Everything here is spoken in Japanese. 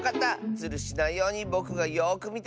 ズルしないようにぼくがよくみてるからね。